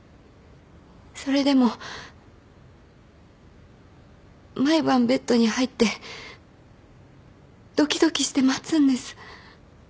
それでも毎晩ベッドに入ってドキドキして待つんです。